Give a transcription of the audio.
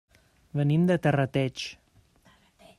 Venim de Terrateig.